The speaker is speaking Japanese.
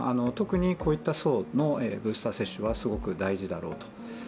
特にこういった層のブースター接種はすごく大事だろうと。